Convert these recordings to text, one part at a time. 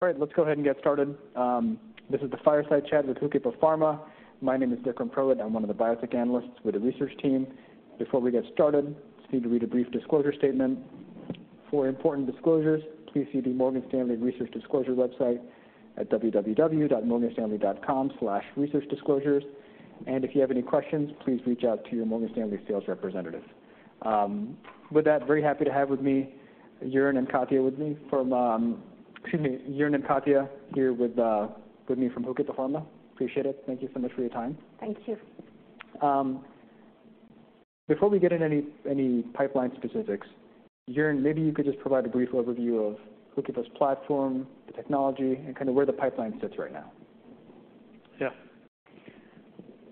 All right, let's go ahead and get started. This is the Fireside Chat with HOOKIPA Pharma. My name is Vikram Purohit. I'm one of the bio-tech analysts with the research team. Before we get started, just need to read a brief disclosure statement. For important disclosures, please see the Morgan Stanley Research Disclosure website at www.morganstanley.com/researchdisclosures. If you have any questions, please reach out to your Morgan Stanley sales representative. With that, very happy to have Jörn and Katia here with me from HOOKIPA Pharma. Appreciate it. Thank you so much for your time. Thank you. Before we get in any pipeline specifics, Jörn, maybe you could just provide a brief overview of Hookipa's platform, the technology, and kind of where the pipeline sits right now. Yeah.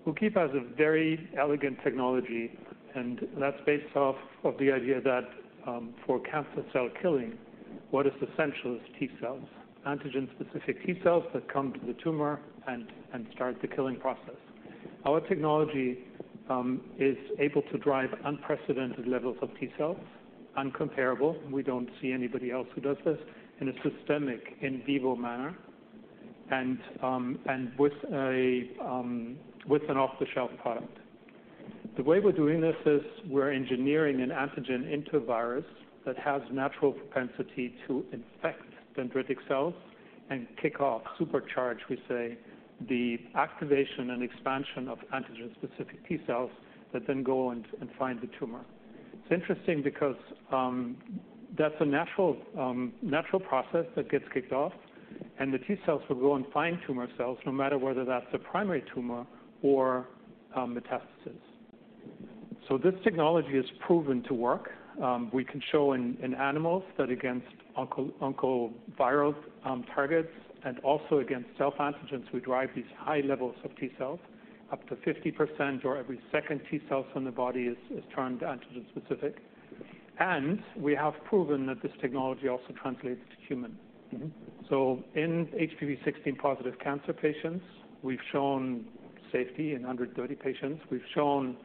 HOOKIPA has a very elegant technology, and that's based off of the idea that, for cancer cell killing, what is essential is T cells, antigen-specific T cells that come to the tumor and, and start the killing process. Our technology is able to drive unprecedented levels of T cells, incomparable, we don't see anybody else who does this, in a systemic in-vivo manner and, and with a, with an off-the-shelf product. The way we're doing this is we're engineering an antigen into a virus that has natural propensity to infect dendritic cells and kick off, supercharge, we say, the activation and expansion of antigen-specific T cells that then go and, and find the tumor. It's interesting because that's a natural process that gets kicked off, and the T cells will go and find tumor cells no matter whether that's a primary tumor or metastasis. So this technology is proven to work. We can show in animals that against oncoviral targets and also against self-antigens, we drive these high levels of T cells, up to 50% or every second T cells from the body is turned antigen-specific. And we have proven that this technology also translates to human. Mm-hmm. So in HPV-16 positive cancer patients, we've shown safety in 130 patients. We've shown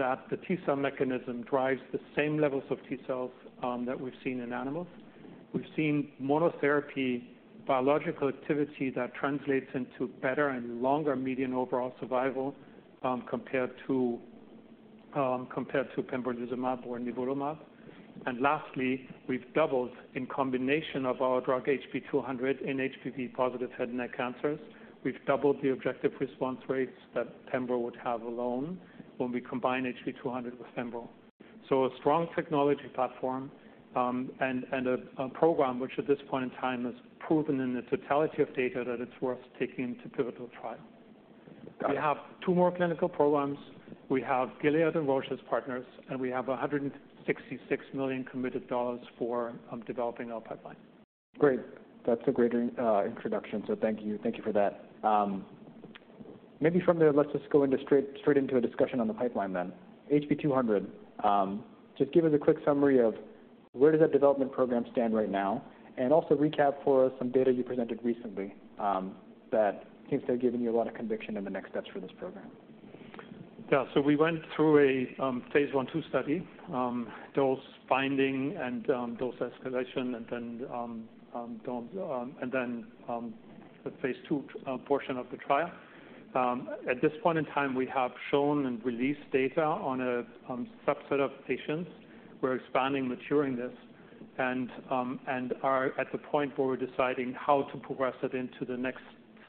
that the T cell mechanism drives the same levels of T cells that we've seen in animals. We've seen monotherapy biological activity that translates into better and longer median overall survival compared to pembrolizumab or nivolumab. And lastly, we've doubled in combination of our drug HB-200 in HPV positive head and neck cancers. We've doubled the objective response rates that pembro would have alone when we combine HB-200 with pembro. So a strong technology platform, and, and a, a program which at this point in time has proven in the totality of data that it's worth taking to pivotal trial. Got it. We have two more clinical programs. We have Gilead and Roche as partners, and we have $166 million committed dollars for developing our pipeline. Great. That's a great in, introduction, so thank you. Thank you for that. Maybe from there, let's just go into straight, straight into a discussion on the pipeline then. HB-200, just give us a quick summary of where does that development program stand right now, and also recap for us some data you presented recently, that seems to have given you a lot of conviction in the next steps for this program. Yeah. So we went through a phase I/II study, dose finding and dose escalation, and then the phase 2 portion of the trial. At this point in time, we have shown and released data on a subset of patients. We're expanding, maturing this and are at the point where we're deciding how to progress it into the next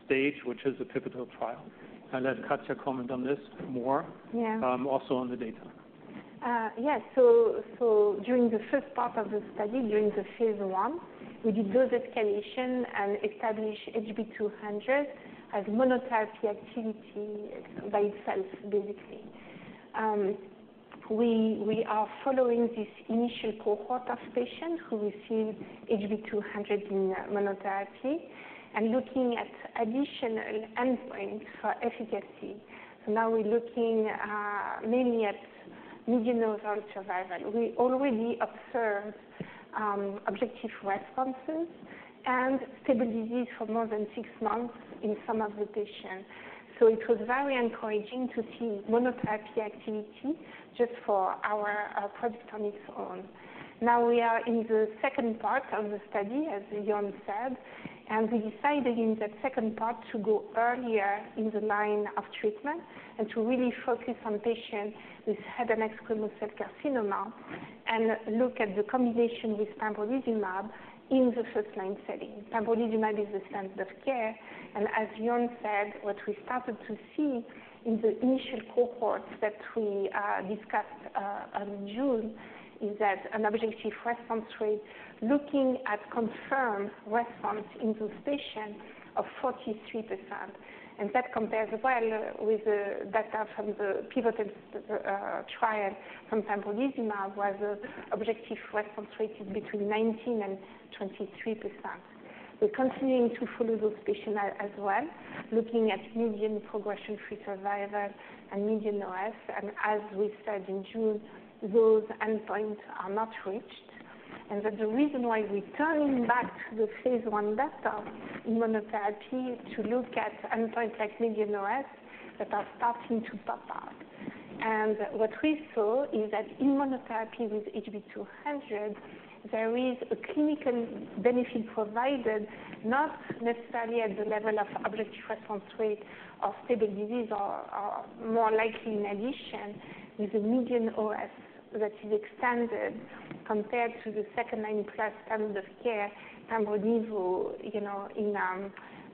stage, which is a pivotal trial. I'll let Katia comment on this more- Yeah. also on the data. Yes. So during the first part of the study, during the phase I, we did dose escalation and establish HB-200 as monotherapy activity by itself, basically. We are following this initial cohort of patients who received HB-200 in monotherapy and looking at additional endpoints for efficacy. So now we're looking mainly at median overall survival. We already observed objective responses and stable disease for more than six months in some of the patients. So it was very encouraging to see monotherapy activity just for our product on its own. Now we are in the second part of the study, as Jörn said, and we decided in that second part to go earlier in the line of treatment and to really focus on patients with head and neck squamous cell carcinoma, and look at the combination with pembrolizumab in the first-line setting. Pembrolizumab is the standard of care, and as Jörn said, what we started to see in the initial cohorts that we discussed in June is that an objective response rate, looking at confirmed response in those patients, of 43%. And that compares well with the data from the pivotal trial from pembrolizumab, where the objective response rate is between 19% and 23%. We're continuing to follow those patients as well, looking at median progression-free survival and median OS, and as we said in June, those endpoints are not reached. And that the reason why we're turning back to the phase one data in monotherapy is to look at endpoints like median OS that are starting to pop out. What we saw is that in monotherapy with HB-200, there is a clinical benefit provided, not necessarily at the level of objective response rate of stable disease or, or more likely in addition, with a median OS that is extended compared to the second-line plus standard of care pembrolizumab. You know, in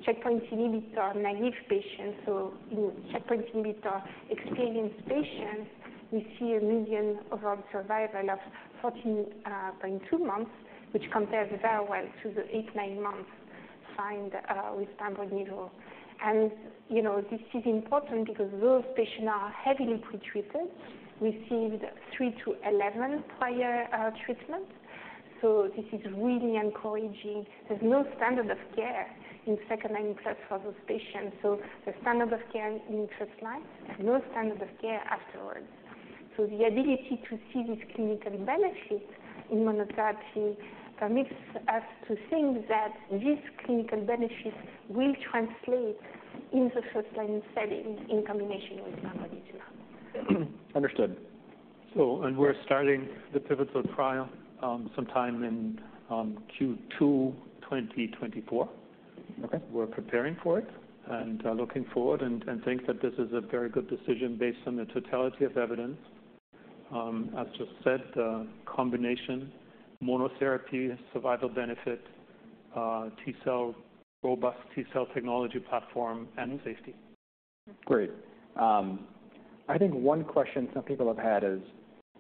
checkpoint inhibitor naive patients, so in checkpoint inhibitor-experienced patients, we see a median overall survival of 14.2 months, which compares very well to the eight to nine months found with pembrolizumab. And, you know, this is important because those patients are heavily pretreated, received 3-11 prior treatment. So this is really encouraging. There's no standard of care in second-line plus for those patients, so the standard of care in first-line and no standard of care afterwards. The ability to see this clinical benefit in monotherapy permits us to think that this clinical benefit will translate in the first-line setting in combination with pembrolizumab. Understood. We're starting the pivotal trial sometime in Q2 2024. Okay. We're preparing for it and looking forward and think that this is a very good decision based on the totality of evidence. As just said, the combination monotherapy, survival benefit, T cell, robust T cell technology platform and safety. Great. I think one question some people have had is: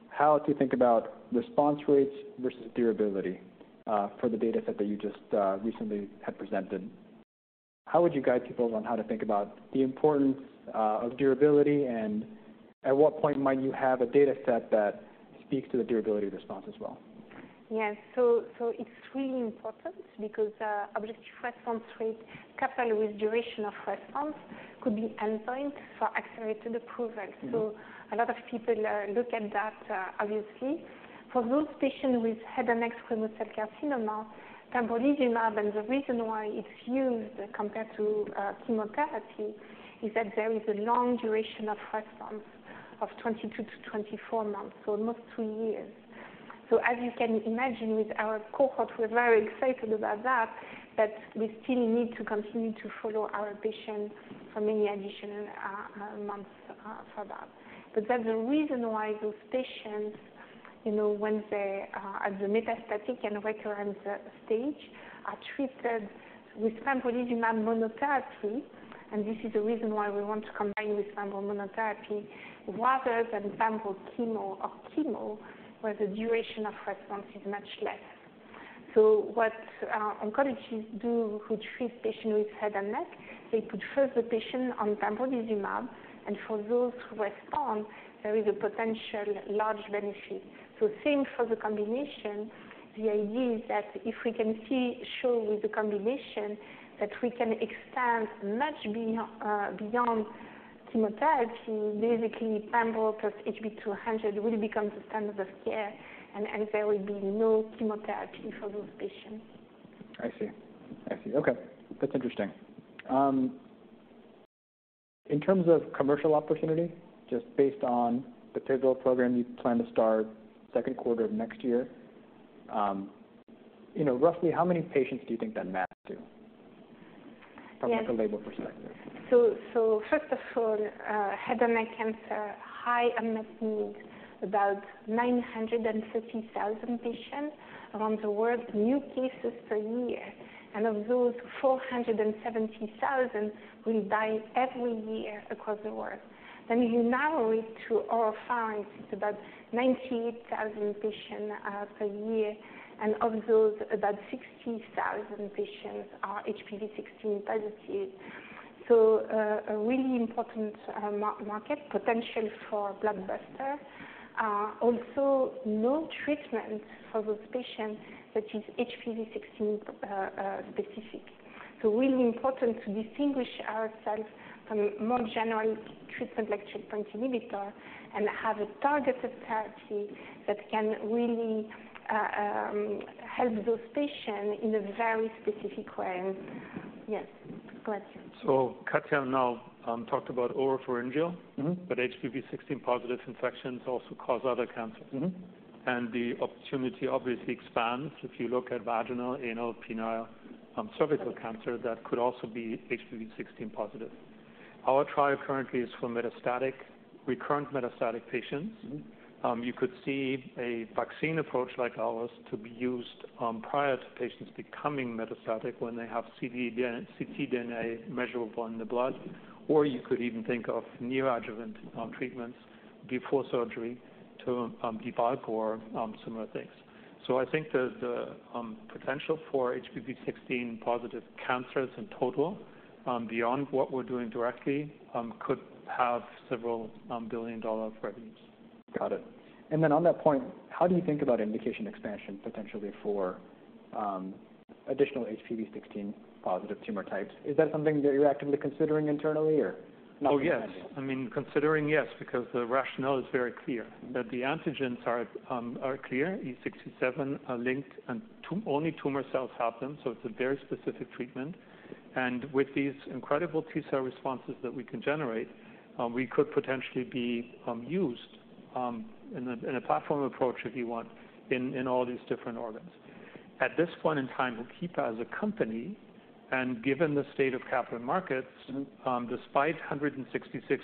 how to think about response rates versus durability, for the data set that you just recently had presented. How would you guide people on how to think about the importance of durability, and at what point might you have a data set that speaks to the durability response as well? Yes. So, it's really important because objective response rate, coupled with duration of response, could be endpoint for accelerated approval. Mm-hmm. So a lot of people look at that, obviously. For those patients with head and neck squamous cell carcinoma, pembrolizumab, and the reason why it's used compared to chemotherapy, is that there is a long duration of response of 22-24 months, so almost two years. So as you can imagine with our cohort, we're very excited about that, but we still need to continue to follow our patients for many additional months for that. But that's the reason why those patients, you know, when they are at the metastatic and recurrent stage, are treated with pembrolizumab monotherapy. And this is the reason why we want to combine with pembro monotherapy rather than pembro chemo or chemo, where the duration of response is much less. So what oncologists do, who treat patients with head and neck, they put first the patient on pembrolizumab, and for those who respond, there is a potential large benefit. So same for the combination. The idea is that if we can show with the combination, that we can extend much beyond chemotherapy, basically, pembro plus HB-200 will become the standard of care, and, and there will be no chemotherapy for those patients. I see. I see. Okay, that's interesting. In terms of commercial opportunity, just based on the pivotal program you plan to start second quarter of next year, you know, roughly how many patients do you think that maps to? Yes. From, like, a label perspective. So, first of all, head and neck cancer, high unmet need, about 950,000 patients around the world, new cases per year. And of those, 470,000 will die every year across the world. When you narrow it to our findings, it's about 98,000 patients per year, and of those, about 60,000 patients are HPV-16 positive. So, a really important market potential for blockbuster. Also no treatment for those patients that is HPV-16 specific. So really important to distinguish ourselves from more general treatment like checkpoint inhibitor and have a targeted therapy that can really help those patients in a very specific way. Yes, go ahead. So Katia now talked about oropharyngeal- Mm-hmm. - but HPV-16 positive infections also cause other cancers. Mm-hmm. The opportunity obviously expands if you look at vaginal, anal, penile, cervical cancer, that could also be HPV-16 positive. Our trial currently is for metastatic, recurrent metastatic patients. Mm-hmm. You could see a vaccine approach like ours to be used, prior to patients becoming metastatic when they have ctDNA measurable in the blood. Or you could even think of neoadjuvant treatments before surgery to debulk or similar things. So I think the potential for HPV-16 positive cancers in total, beyond what we're doing directly, could have several billion-dollar revenues. Got it. And then on that point, how do you think about indication expansion potentially for additional HPV-16 positive tumor types? Is that something that you're actively considering internally or not? Oh, yes. I mean, considering, yes, because the rationale is very clear, that the antigens are clear. E6/E7 are linked, and only tumor cells have them, so it's a very specific treatment. And with these incredible T cell responses that we can generate, we could potentially be used in a platform approach, if you want, in all these different organs. At this point in time, HOOKIPA as a company, and given the state of capital markets, despite $166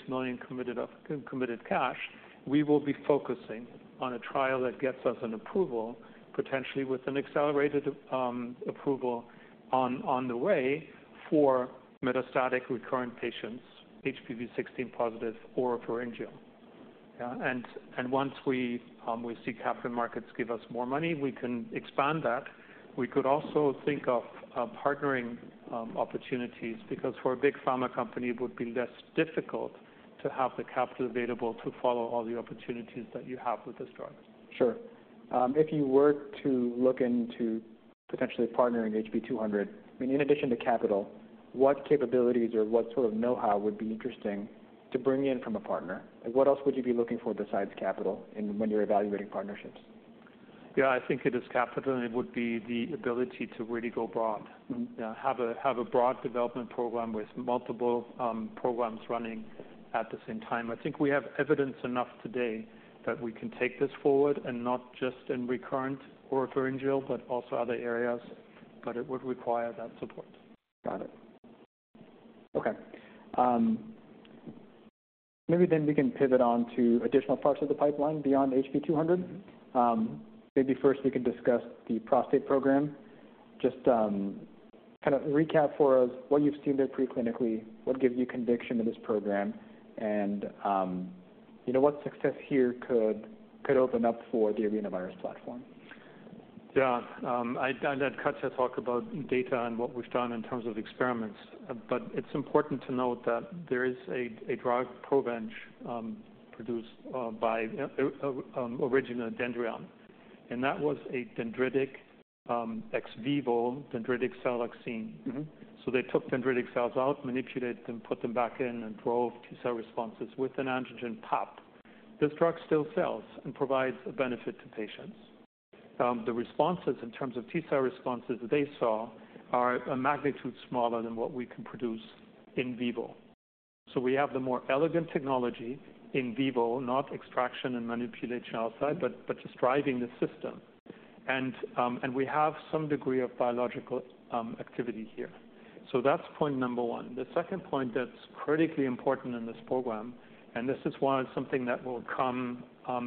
million committed cash, we will be focusing on a trial that gets us an approval, potentially with an accelerated approval on the way for metastatic recurrent patients, HPV-16 positive oropharyngeal. Yeah, and once we see capital markets give us more money, we can expand that. We could also think of partnering opportunities, because for a big pharma company, it would be less difficult to have the capital available to follow all the opportunities that you have with this drug. Sure. If you were to look into potentially partnering HB-200, I mean, in addition to capital, what capabilities or what sort of know-how would be interesting to bring in from a partner? And what else would you be looking for besides capital in when you're evaluating partnerships? Yeah, I think it is capital, and it would be the ability to really go broad. Have a broad development program with multiple programs running at the same time. I think we have evidence enough today that we can take this forward, and not just in recurrent oropharyngeal, but also other areas, but it would require that support. Got it. Okay. Maybe then we can pivot on to additional parts of the pipeline beyond HB-200. Maybe first we can discuss the prostate program. Just, kind of recap for us what you've seen there pre-clinically, what gives you conviction in this program, and, you know, what success here could, could open up for the arenavirus platform? Yeah. I'd cut to talk about data and what we've done in terms of experiments, but it's important to note that there is a drug, Provenge, produced by originally Dendreon, and that was a dendritic ex vivo dendritic cell vaccine. Mm-hmm. So they took dendritic cells out, manipulated them, put them back in, and drove T cell responses with an antigen load. This drug still sells and provides a benefit to patients. The responses in terms of T cell responses they saw are a magnitude smaller than what we can produce in-vivo. So we have the more elegant technology in-vivo, not extraction and manipulation outside- Mm-hmm. But just driving the system. And we have some degree of biological activity here. So that's point number one. The second point that's critically important in this program, and this is why it's something that will come,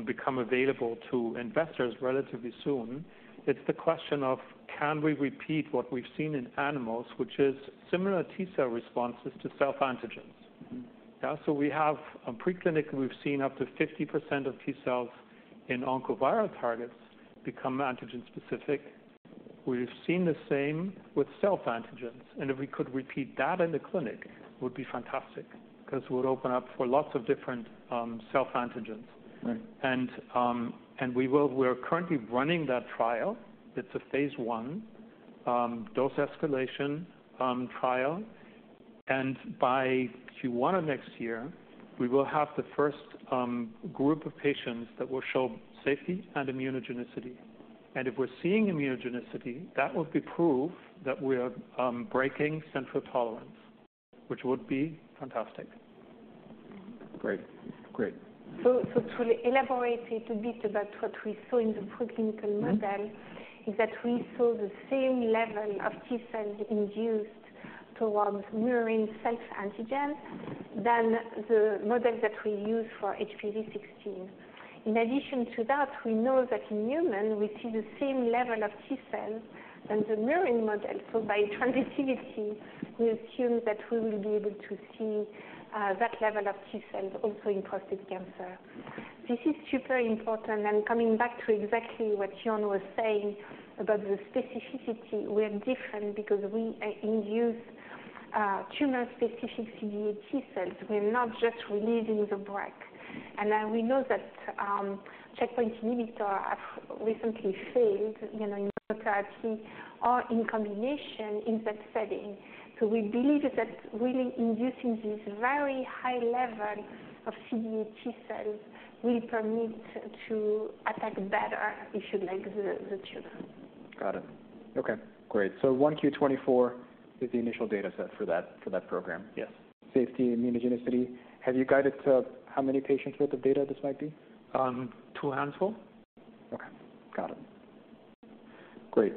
become available to investors relatively soon, it's the question of can we repeat what we've seen in animals, which is similar T cell responses to self-antigens. Mm-hmm. Yeah, so we have a preclinical, we've seen up to 50% of T cells in oncovirus targets become antigen specific. We've seen the same with self-antigens, and if we could repeat that in the clinic, would be fantastic, 'cause it would open up for lots of different self-antigens. Right. We are currently running that trial. It's a phase I, dose escalation, trial, and by Q1 of next year, we will have the first group of patients that will show safety and immunogenicity. If we're seeing immunogenicity, that would be proof that we are breaking central tolerance, which would be fantastic. Great. Great. So, to elaborate a little bit about what we saw in the preclinical model- Mm-hmm. is that we saw the same level of T cells induced towards murine self-antigen than the model that we use for HPV-16. In addition to that, we know that in human we see the same level of T cells in the murine model, so by transitivity, we assume that we will be able to see that level of T cells also in prostate cancer. This is super important, and coming back to exactly what John was saying about the specificity, we are different because we induce tumor-specific CD8 T cells. We're not just relieving the brake. And we know that checkpoint inhibitor have recently failed, you know, in monotherapy or in combination in that setting. So we believe that really inducing this very high level of CD8 T cells will permit to attack better issue like the tumor. Got it. Okay, great. So 1Q24 is the initial data set for that, for that program? Yes. Safety, immunogenicity. Have you guided to how many patients worth of data this might be? Two handful. Okay. Got it. Great.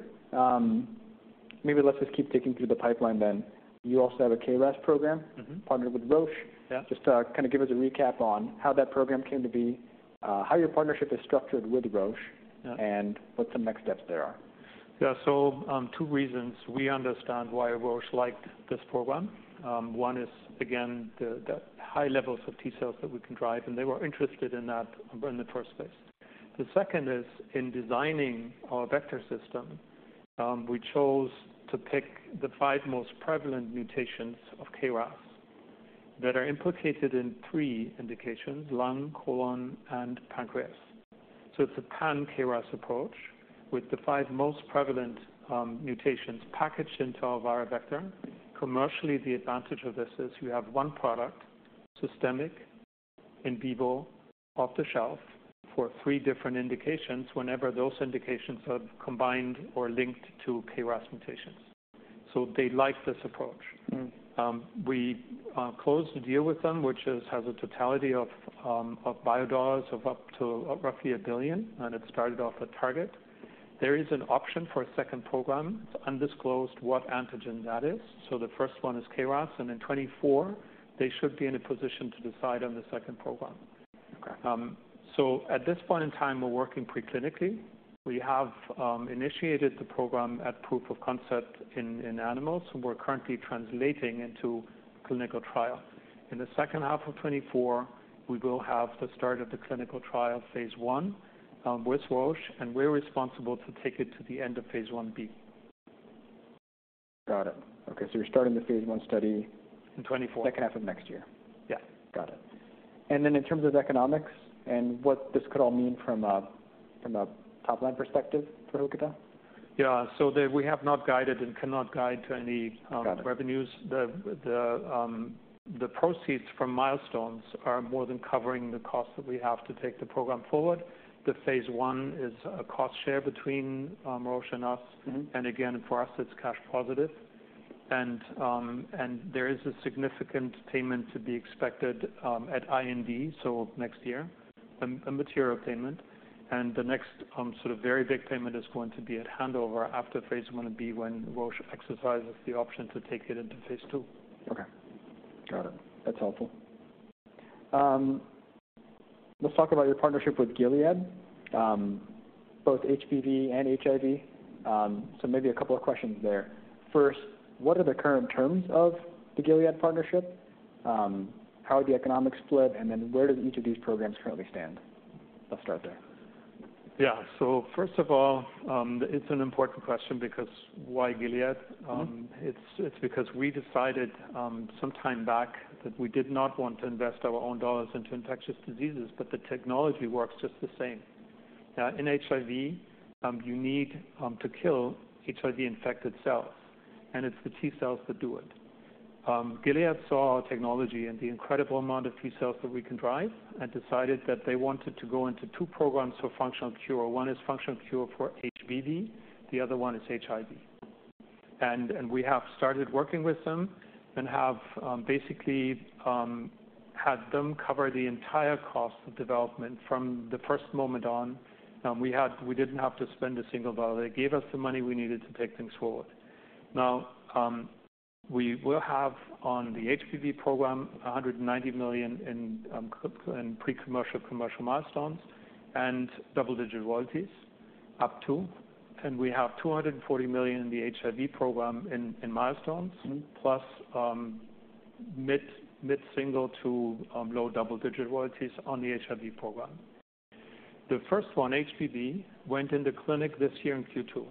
Maybe let's just keep digging through the pipeline then. You also have a KRAS program- Mm-hmm. partnered with Roche. Yeah. Just, kind of give us a recap on how that program came to be, how your partnership is structured with Roche? Yeah. and what some next steps there are. Yeah. So, two reasons we understand why Roche liked this program. One is, again, the high levels of T cells that we can drive, and they were interested in that in the first place. The second is in designing our vector system, we chose to pick the five most prevalent mutations of KRAS that are implicated in three indications: lung, colon, and pancreas. So it's a pan-KRAS approach with the five most prevalent mutations packaged into our viral vector. Commercially, the advantage of this is you have one product, systemic, in-vivo, off the shelf, for three different indications whenever those indications are combined or linked to KRAS mutations. So they like this approach. We closed the deal with them, which has a totality of biodollars of up to roughly $1 billion, and it started off at target. There is an option for a second program. It's undisclosed what antigen that is. So the first one is KRAS, and in 2024, they should be in a position to decide on the second program. Okay. At this point in time, we're working preclinically. We have initiated the program at proof of concept in animals, and we're currently translating into clinical trial. In the second half of 2024, we will have the start of the clinical trial, phase I, with Roche, and we're responsible to take it to the end of phase I-B. Got it. Okay, so you're starting the phase one study- In twenty-four. Second half of next year. Yeah. Got it. And then in terms of economics and what this could all mean from a top-line perspective for HOOKIPA? Yeah. So we have not guided and cannot guide to any- Got it revenues. The proceeds from milestones are more than covering the costs that we have to take the program forward. The phase I is a cost share between Roche and us. Mm-hmm. And again, for us, it's cash positive. And, and there is a significant payment to be expected, at IND, so next year, a, a material payment. And the next, sort of very big payment is going to be at handover after phase Ib, when Roche exercises the option to take it into phase 2. Okay. Got it. That's helpful. Let's talk about your partnership with Gilead, both HBV and HIV. So maybe a couple of questions there. First, what are the current terms of the Gilead partnership? How are the economics split, and then where does each of these programs currently stand? Let's start there. Yeah. So first of all, it's an important question, because why Gilead? Mm-hmm. It's because we decided some time back that we did not want to invest our own dollars into infectious diseases, but the technology works just the same. Now, in HIV, you need to kill HIV-infected cells, and it's the T cells that do it. Gilead saw our technology and the incredible amount of T cells that we can drive and decided that they wanted to go into two programs for functional cure. One is functional cure for HBV, the other one is HIV. And we have started working with them and have basically had them cover the entire cost of development from the first moment on. We didn't have to spend a single dollar. They gave us the money we needed to take things forward. Now, we will have, on the HBV program, $190 million in pre-commercial, commercial milestones and double-digit royalties, up to, and we have $240 million in the HIV program in milestones. Mm-hmm. Plus, mid-single to low double-digit royalties on the HIV program. The first one, HBV, went in the clinic this year in Q2.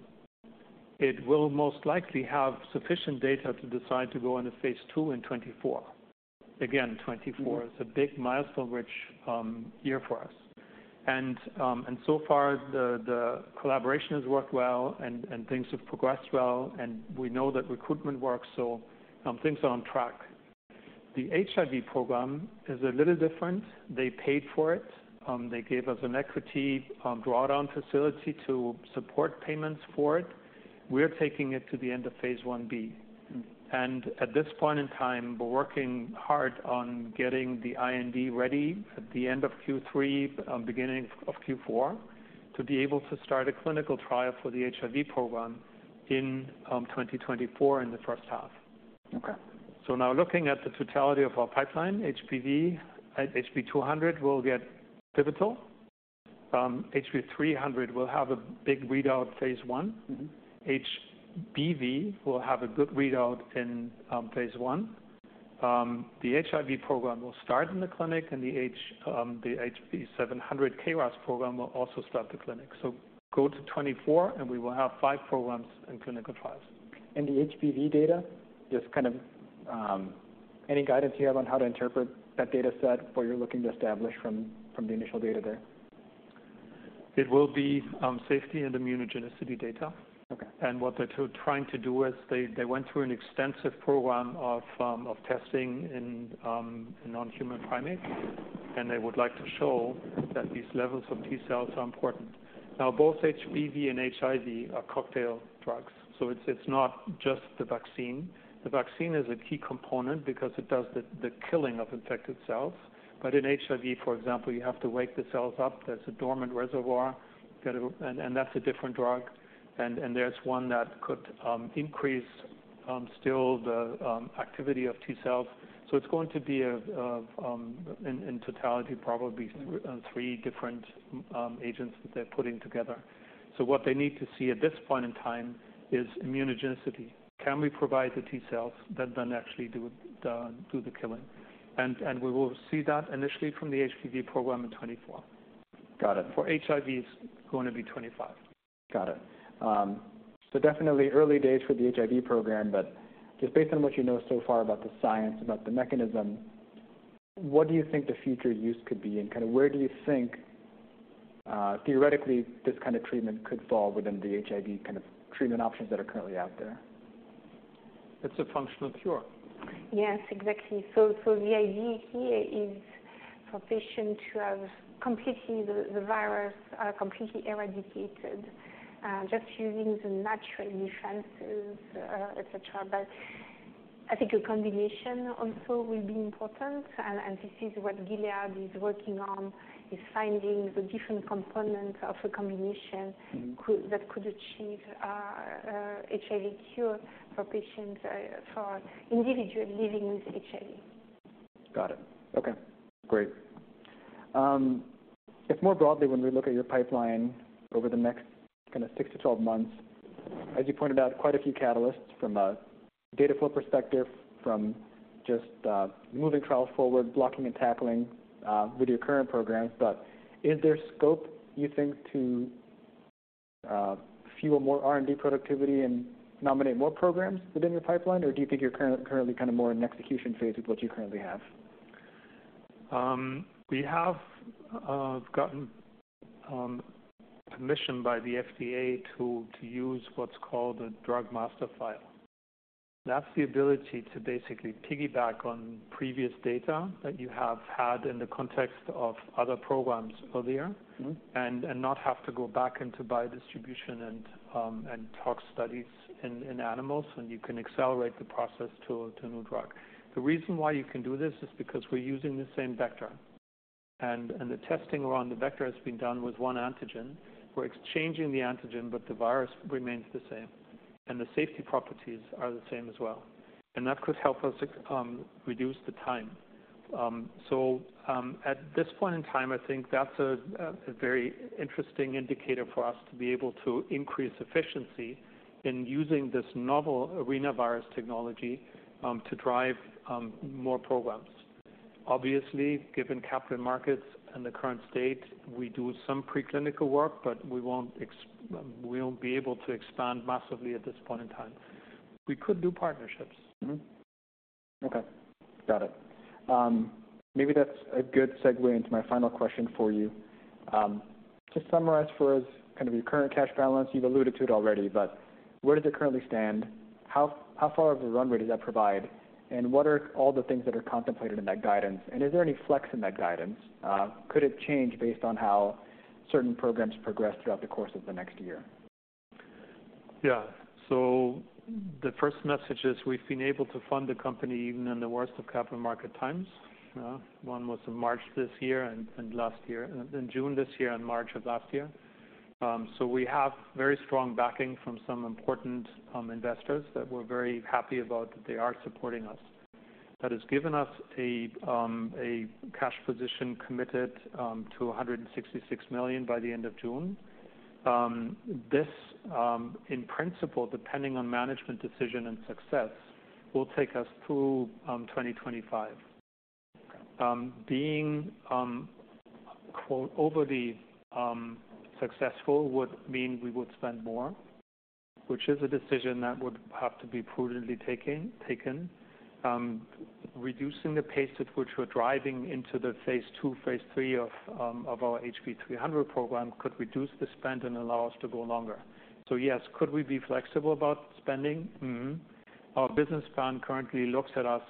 It will most likely have sufficient data to decide to go into phase two in 2024. Again, 2024- Mm-hmm. is a big milestone-rich year for us. And so far, the collaboration has worked well, and things have progressed well, and we know that recruitment works, so things are on track. The HIV program is a little different. They paid for it. They gave us an equity drawdown facility to support payments for it. We're taking it to the end of phase I-B. Mm-hmm. At this point in time, we're working hard on getting the IND ready at the end of Q3, beginning of Q4, to be able to start a clinical trial for the HIV program in 2024, in the first half. Okay. So now looking at the totality of our pipeline, HBV, HB-200 will get pivotal. HB-300 will have a big readout, phase I. Mm-hmm. HBV will have a good readout in phase I. The HIV program will start in the clinic, and the HB-700 KRAS program will also start the clinic. So go to 2024, and we will have five programs in clinical trials. The HBV data, just kind of, any guidance you have on how to interpret that data set, what you're looking to establish from the initial data there? It will be safety and immunogenicity data. Okay. And what they're trying to do is they went through an extensive program of testing in non-human primates, and they would like to show that these levels of T cells are important. Now, both HBV and HIV are cocktail drugs, so it's not just the vaccine. The vaccine is a key component because it does the killing of infected cells. But in HIV, for example, you have to wake the cells up. There's a dormant reservoir that... And that's a different drug. And there's one that could increase still the activity of T cells. So it's going to be, in totality, probably- Mm-hmm... the three different agents that they're putting together. So what they need to see at this point in time is immunogenicity. Can we provide the T cells that then actually do the killing? And we will see that initially from the HBV program in 2024. Got it. For HIV, it's going to be 25. Got it. So definitely early days for the HIV program, but just based on what you know so far about the science, about the mechanism, what do you think the future use could be, and kind of where do you think, theoretically, this kind of treatment could fall within the HIV kind of treatment options that are currently out there? It's a functional cure. Yes, exactly. So the idea here is for patients who have completely the virus completely eradicated just using the natural defenses, et cetera. But I think a combination also will be important, and this is what Gilead is working on, is finding the different components of a combination. Mm-hmm. that could achieve HIV cure for patients, for individuals living with HIV. Got it. Okay, great. If more broadly, when we look at your pipeline over the next kind of 6-12 months, as you pointed out, quite a few catalysts from a data flow perspective, from just moving trials forward, blocking and tackling with your current programs. But is there scope, you think, to fuel more R&D productivity and nominate more programs within your pipeline? Or do you think you're currently kind of more in execution phase with what you currently have? We have gotten permission by the FDA to use what's called a Drug Master File. That's the ability to basically piggyback on previous data that you have had in the context of other programs earlier. Mm-hmm. And not have to go back into bio-distribution and tox studies in animals, and you can accelerate the process to a new drug. The reason why you can do this is because we're using the same vector, and the testing around the vector has been done with one antigen. We're exchanging the antigen, but the virus remains the same, and the safety properties are the same as well, and that could help us reduce the time. So, at this point in time, I think that's a very interesting indicator for us to be able to increase efficiency in using this novel arenavirus technology to drive more programs. Obviously, given capital markets and the current state, we do some preclinical work, but we won't be able to expand massively at this point in time. We could do partnerships. Mm-hmm. Okay, got it. Maybe that's a good segue into my final question for you. To summarize for us, kind of your current cash balance, you've alluded to it already, but where does it currently stand? How far of a run rate does that provide? And what are all the things that are contemplated in that guidance? And is there any flex in that guidance? Could it change based on how certain programs progress throughout the course of the next year? Yeah. So the first message is, we've been able to fund the company even in the worst of capital market times. One was in March this year and last year, and in June this year and March of last year. So we have very strong backing from some important investors that we're very happy about, that they are supporting us. That has given us a cash position committed to $166 million by the end of June. This, in principle, depending on management decision and success, will take us through 2025. Okay. Being, quote, "overly," successful, would mean we would spend more, which is a decision that would have to be prudently taking, taken. Reducing the pace at which we're driving into the phase 2, phase 3 of our HB-300 program could reduce the spend and allow us to go longer. So yes, could we be flexible about spending? Mm-hmm. Our business plan currently looks at us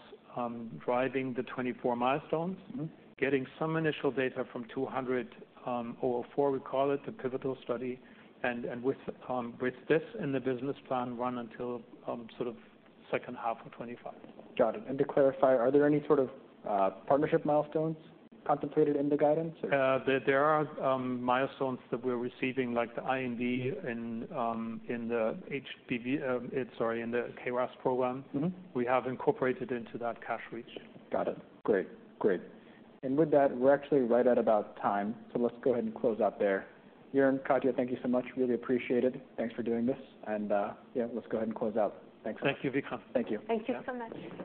driving the 24 milestones- Mm-hmm. getting some initial data from 204, we call it, the pivotal study, and with this in the business plan, run until sort of second half of 2025. Got it. And to clarify, are there any sort of partnership milestones contemplated in the guidance or? There are milestones that we're receiving, like the IND in the KRAS program. Mm-hmm. We have incorporated into that cash runway. Got it. Great. Great. And with that, we're actually right at about time, so let's go ahead and close out there. Jörn, Katia, thank you so much. Really appreciate it. Thanks for doing this, and yeah, let's go ahead and close out. Thanks. Thank you, Vikram. Thank you. Thank you so much.